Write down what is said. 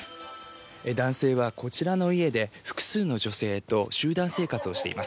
男性はこちらの家で複数の女性と集団生活をしています。